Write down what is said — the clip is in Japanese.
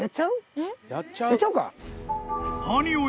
やっちゃおうか。